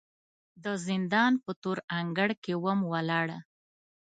د زندان په تور انګړ کې وم ولاړه